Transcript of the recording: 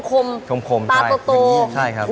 คมใช่ใช่ครับตาตัวโต